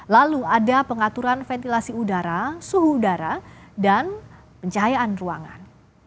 lalu ada pengaturan ventilasi udara suhu udara dan pencahayaan ruangan